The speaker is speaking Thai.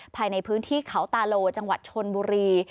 ภายในพื้นที่เขาตาโลจังหวัดชนบุรี